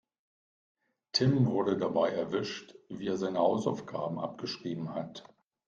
Tim wurde dabei erwischt, wie er seine Hausaufgaben abgeschrieben hat.